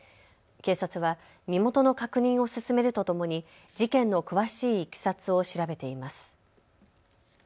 警察は身元の確認を進めるとともに事件の詳しいいきさつを調べています。